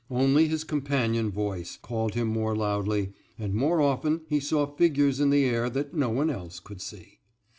Only his companion voice called him more loudly, and more often he saw figures in the air that no one else could see.